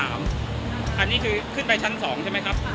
อันนี้คือขึ้นไปชั้น๒ใช่ไหมครับ